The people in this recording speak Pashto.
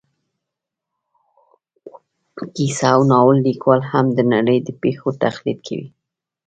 کیسه او ناول لیکوال هم د نړۍ د پېښو تقلید کوي